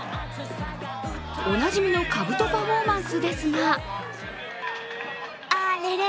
おなじみのかぶとパフォーマンスですがあれれ？